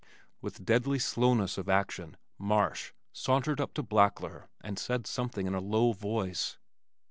With deadly slowness of action, Marsh sauntered up to Blackler and said something in a low voice.